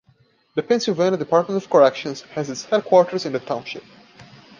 The Pennsylvania Department of Corrections has its headquarters in the township.